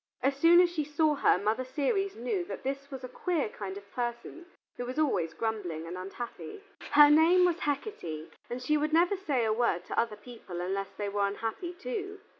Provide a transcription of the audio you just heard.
As soon as she saw her, Mother Ceres knew that this was a queer kind of person who was always grumbling and unhappy. Her name was Hecate, and she would never say a word to other people unless they were unhappy too.